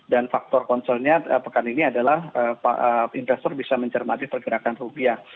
dan faktor concernya pekan ini adalah eee investor bisa mencermati pergerakan rupiah